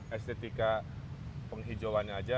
estetika penghijauannya aja